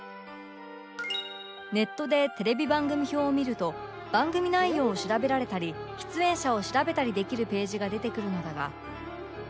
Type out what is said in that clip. ネットでテレビ番組表を見ると番組内容を調べられたり出演者を調べたりできるページが出てくるのだが